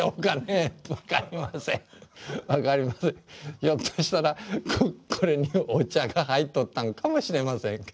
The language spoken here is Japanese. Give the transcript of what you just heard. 分かりませんひょっとしたらこれにお茶が入っとったのかもしれません。